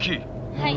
はい。